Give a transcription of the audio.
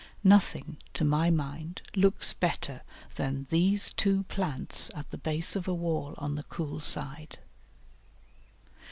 Nothing, to my mind, looks better than these two plants at the base of a wall on the cool side.